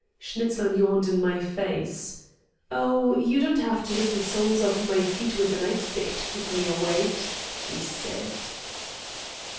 Schnitzel yawned in my face. "Oh, you don't have to hit the soles of my feet with a night stick to keep me awake," he said.